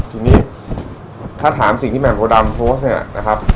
ทีนี้ถ้าถามสิ่งที่แหม่โพดำโพสต์เนี่ยนะครับ